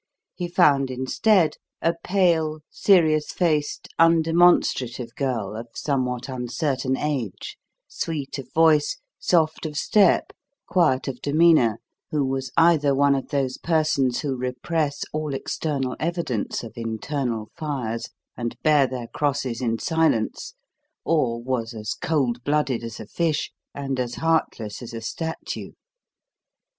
He found instead a pale, serious faced, undemonstrative girl of somewhat uncertain age sweet of voice, soft of step, quiet of demeanour who was either one of those persons who repress all external evidence of internal fires, and bear their crosses in silence, or was as cold blooded as a fish and as heartless as a statue.